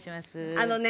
あのね